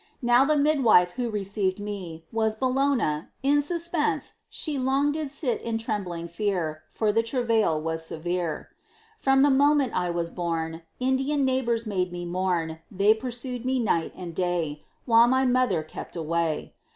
Now the midwife who received me, Was Bellona; in suspense, she Long did sit in trembling fear, For the travail was severe. From the moment I was born, Indian neighbors made me mourn. They pursued me night and day, While my mother kept away.